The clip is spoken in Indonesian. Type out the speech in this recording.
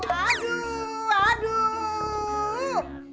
aduh aduh aduh